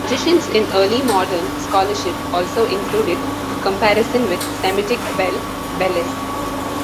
Suggestions in early modern scholarship also included comparison with Semitic Bel, Belus.